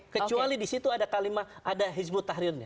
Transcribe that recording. kecuali di situ ada kalimat ada hizbut tahrirnya